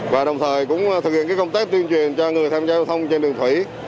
và đồng thời cũng thực hiện công tác tuyên truyền cho người tham gia giao thông trên đường thủy